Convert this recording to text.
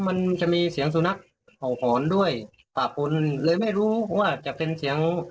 มันจะมีเสียงสุนัขเห่าหอนด้วยปะปนเลยไม่รู้ว่าจะเป็นเสียง